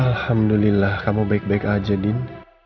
alhamdulillah kamu baik baik aja din